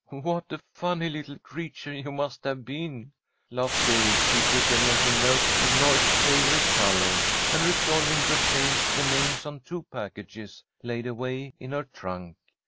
"What a funny little creature you must have been," laughed Gay, secretly making note of Lloyd's favourite colour, and resolving to change the names on two packages laid away in her trunk.